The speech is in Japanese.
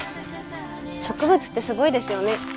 植物ってすごいですよね。